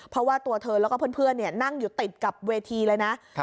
เพราะว่าตัวเธอแล้วก็เพื่อนนั่งอยู่ติดกับเวทีเลยนะ